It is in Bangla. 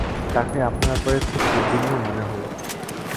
তাঁকে আপনার ব্যাপারে খুব উদ্বিগ্ন মনে হল।